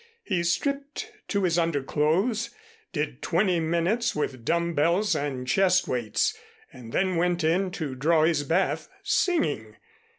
He stripped to his underclothes, did twenty minutes with dumb bells and chest weights, and then went in to draw his bath, singing.